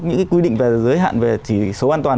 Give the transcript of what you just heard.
những cái quy định về giới hạn về chỉ số an toàn